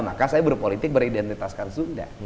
maka saya berpolitik beridentitaskan sunda